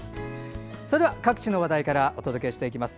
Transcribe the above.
それでは各地の話題からお届けしていきます。